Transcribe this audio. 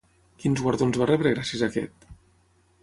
Quins guardons va rebre gràcies a aquest?